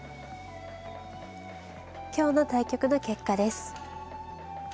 今日の対局の結果です。